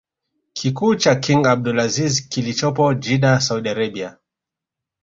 kikuu cha king Abdulazizi kilichopo Jidda Saudi Arabia